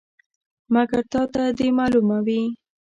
مګر تا ته دې معلومه وي.